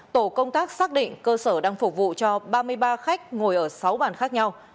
tổ công tác xác định cơ sở đang phục vụ cho ba mươi ba khách ngồi ở sáu bàn khác nhau